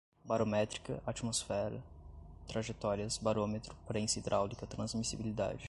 barométrica, atmosfera, trajetórias, barômetro, prensa hidráulica, transmissibilidade